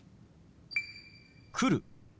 「来る」。